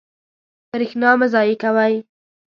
برېښنا مه ضایع کوئ.